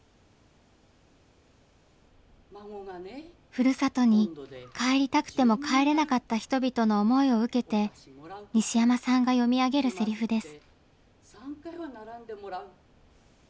ふるさとに帰りたくても帰れなかった人々の思いを受けて西山さんが読み上げるセリフです。